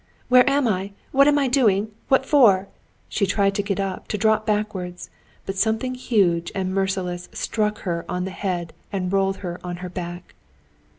"Where am I? What am I doing? What for?" She tried to get up, to drop backwards; but something huge and merciless struck her on the head and rolled her on her back.